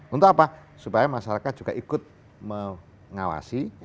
untuk apa supaya masyarakat juga ikut mengawasi